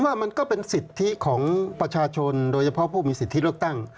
ว่ามันก็เป็นสิทธิของประชาชนโดยเฉพาะผู้มีสิทธิเลือกตั้ง